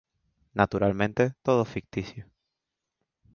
Naturalmente, todo es ficticio.